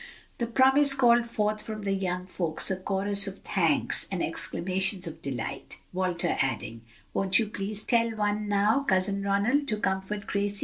The promise called forth from the young folks a chorus of thanks and exclamations of delight, Walter adding, "Won't you please tell one now, Cousin Ronald, to comfort Gracie?"